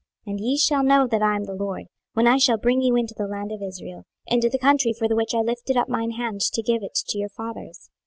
26:020:042 And ye shall know that I am the LORD, when I shall bring you into the land of Israel, into the country for the which I lifted up mine hand to give it to your fathers.